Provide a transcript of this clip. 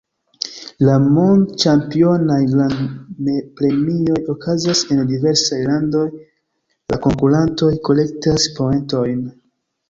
La mond-ĉampionaj grand-premioj okazas en diversaj landoj, la konkurantoj kolektas poentojn.